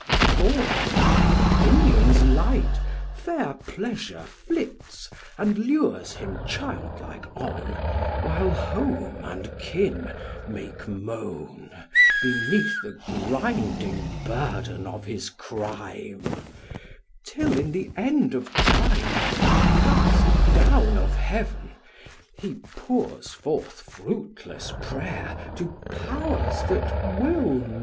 Before, on pinions light, Fair pleasure flits, and lures him childlike on, While home and kin make moan Beneath the grinding burden of his crime; Till, in the end of time, Cast down of heaven, he pours forth fruitless prayer To powers that will not hear."